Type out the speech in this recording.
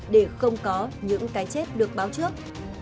để không có những cái chết được báo trước